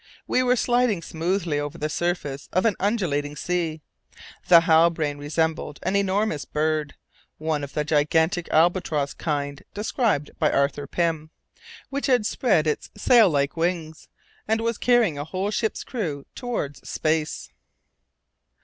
We were sliding smoothly over the surface of an undulating sea. The Halbrane resembled an enormous bird, one of the gigantic albatross kind described by Arthur Pym which had spread its sail like wings, and was carrying a whole ship's crew towards space.